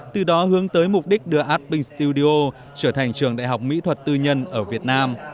từ đó hướng tới mục đích đưa artping studio trở thành trường đại học mỹ thuật tư nhân ở việt nam